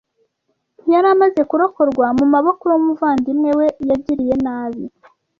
Ntiyari amaze kurokorwa mu maboko y’umuvandimwe we yagiriye nabi